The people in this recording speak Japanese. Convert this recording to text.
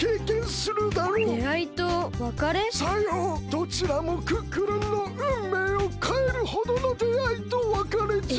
どちらもクックルンのうんめいをかえるほどのであいとわかれじゃ。